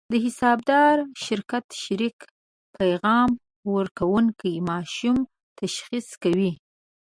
د حسابدار شرکت شریک پیغام وړونکي ماشوم تشخیص کوي.